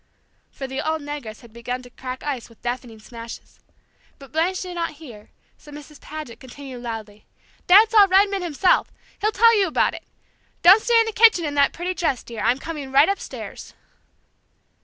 for the old negress had begun to crack ice with deafening smashes. But Blanche did not hear, so Mrs. Paget continued loudly: "Dad saw Redman himself; he'll tell you about it! Don't stay in the kitchen in that pretty dress, dear! I'm coming right upstairs."